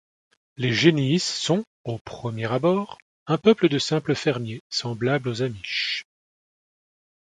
Les Geniis sont, au premier abord, un peuple de simples fermiers semblables aux Amish.